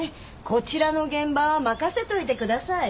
こちらの現場は任せといてください。